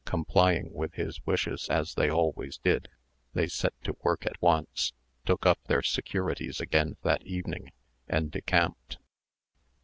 Complying with his wishes as they always did, they set to work at once, took up their securities again that evening, and decamped.